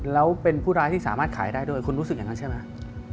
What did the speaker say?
แล้วเป็นผู้ร้ายที่สามารถขายได้ด้วยคุณรู้สึกอย่างนั้นใช่ไหม